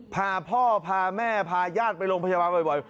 พาพ่อพาแม่พาญาติไปโรงพยาบาลบ่อย